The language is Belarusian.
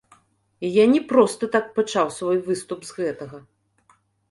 І я не проста так пачаў свой выступ з гэтага.